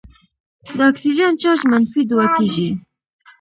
د اکسیجن چارج منفي دوه کیږي.